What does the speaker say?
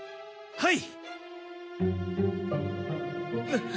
はい。